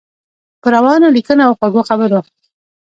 په روانو لیکنو او خوږو خبرو.